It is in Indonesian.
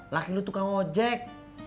laki lu tukang ojek